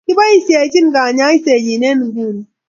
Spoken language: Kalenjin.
Kiboisyechin kanyaiset nyi en inguni.